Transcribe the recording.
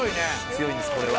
強いですこれは。